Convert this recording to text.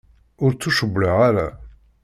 Ur ttucewwleɣ ara.